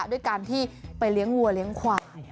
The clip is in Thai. ด้วยการที่ไปเลี้ยงวัวเลี้ยงควาย